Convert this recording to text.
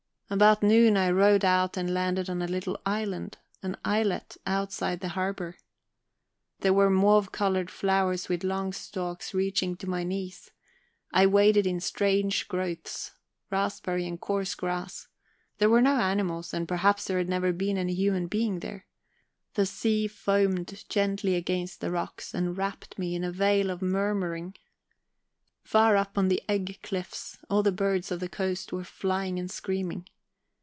About noon I rowed out and landed on a little island, an islet outside the harbour. There were mauve coloured flowers with long stalks reaching to my knees; I waded in strange growths, raspberry and coarse grass; there were no animals, and perhaps there had never been any human being there. The sea foamed gently against the rocks and wrapped me in a veil of murmuring; far up on the egg cliffs, all the birds of the coast were flying and screaming.